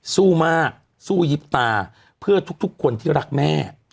สู้มากสู้ยิบตาเพื่อทุกคนที่รักแม่